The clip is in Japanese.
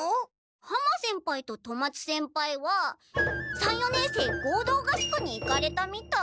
浜先輩と富松先輩は三四年生合同合宿に行かれたみたい。